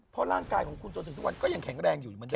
เพราะร่างกายของคุณจนถึงทุกวันก็ยังแข็งแรงอยู่อยู่เหมือนกัน